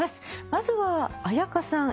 まずは絢香さん